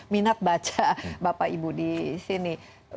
minat baca bapak ibu di sini